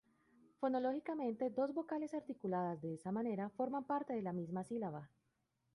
Fonológicamente dos vocales articuladas de esa manera forman parte de la misma sílaba.